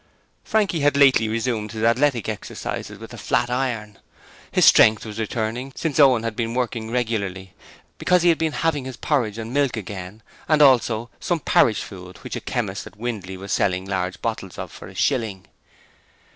Frankie had lately resumed his athletic exercises with the flat iron: his strength was returning since Owen had been working regularly, because he had been having his porridge and milk again and also some Parrish's Food which a chemist at Windley was selling large bottles of for a shilling.